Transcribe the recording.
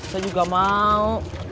saya juga mau